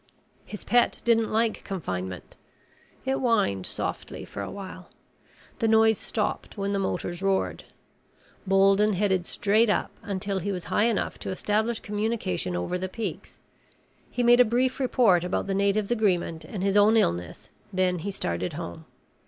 His pet didn't like confinement. It whined softly for a while. The noise stopped when the motors roared. Bolden headed straight up, until he was high enough to establish communication over the peaks. He made a brief report about the natives' agreement and his own illness, then he started home.